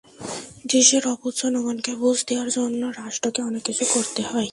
দেশের অবুঝ জনগণকে বুঝ দেওয়ার জন্য রাষ্ট্রকে অনেক কিছু করতে হয়।